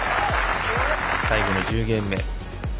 最後の１０ゲーム目。